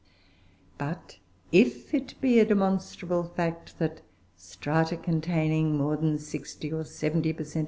But if it be a demonstrable fact that strata containing more than 60 or 70 per cent.